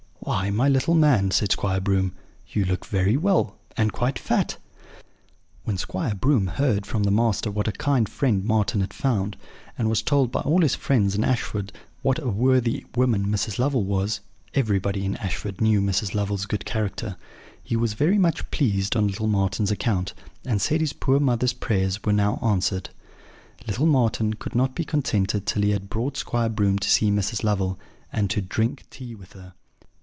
"'Why, my little man,' said Squire Broom, 'you look very well, and quite fat.' "When Squire Broom heard from the master what a kind friend Marten had found, and was told by all his friends in Ashford what a worthy woman Mrs. Lovel was (everybody in Ashford knew Mrs. Lovel's good character), he was very much pleased on little Marten's account, and said his poor mother's prayers were now answered. "Little Marten could not be contented till he had brought Squire Broom to see Mrs. Lovel, and to drink tea with her.